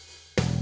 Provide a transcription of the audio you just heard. terima kasih bang